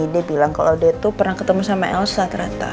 dia bilang kalau dia itu pernah ketemu sama elsa ternyata